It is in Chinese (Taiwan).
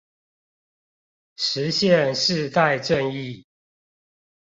實現世代正義